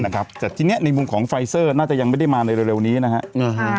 แต่ทีนี้ในมุมของไฟเซอร์น่าจะยังไม่ได้มาในเร็วนี้นะฮะ